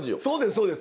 そうです